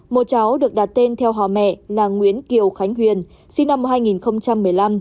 một cháu được đặt tên theo hò mẹ là nguyễn kiều khánh huyền sinh năm hai nghìn một mươi năm